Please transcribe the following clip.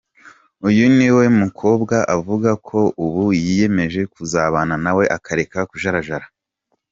Uyu niwe mukobwa avuga ko ubu yiyemeje kuzabana nawe akareka kujarajara.